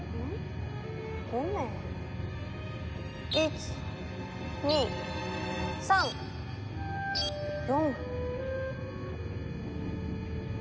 １２３４。